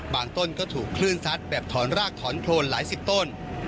ต้นก็ถูกคลื่นซัดแบบถอนรากถอนโครนหลายสิบต้น